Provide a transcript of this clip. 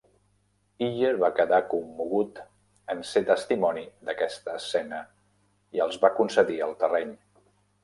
Iyer va quedar commogut en ser testimoni d'aquesta escena i els va concedir el terreny.